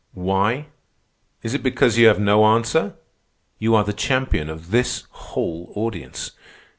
Why? Is it because you have no answer? You are the champion of this whole audience.